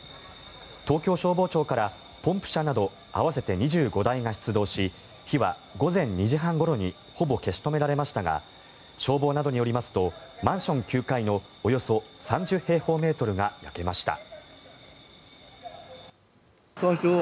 東京消防庁からポンプ車など合わせて２５台が出動し火は午前２時半ごろにほぼ消し止められましたが消防などによりますとマンション９階のおよそ３０平方メートルが焼けました。